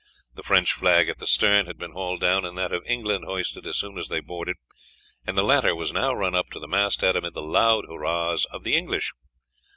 The French flag at the stern had been hauled down and that of England hoisted as soon as they boarded, and the latter was now run up to the mast head amid the loud hurrahs of the English.